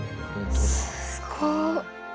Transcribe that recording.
すごい。